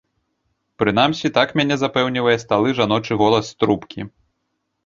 Прынамсі, так мяне запэўнівае сталы жаночы голас з трубкі.